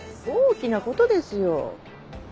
大きなことですよ！